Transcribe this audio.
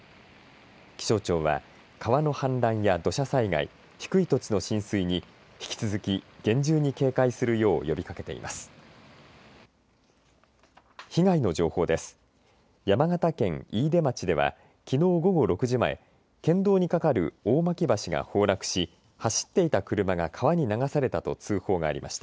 気象庁は川の氾濫や土砂災害低い土地の浸水に引き続き、厳重に警戒するよう呼びかけています。